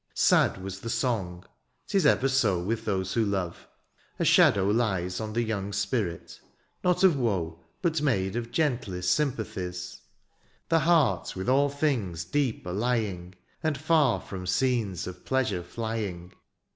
Sad was the song : 'tis ever so With those who love : a shadow lies On the young spirit — ^not of woe. But made of gentlest sympathies : The heart with all things deep allying. And far from scenes of pleasure flying.